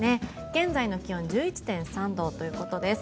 現在の気温１１．３度ということです。